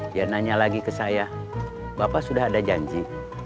dia nanya lagi ke saya bapak sudah ada janji